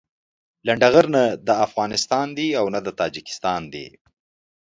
لنډغر نه افغانستان دي او نه د تاجيکستان دي.